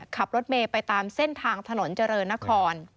ขับรถเมย์ไปตามเส้นทางถนนเจริญนคร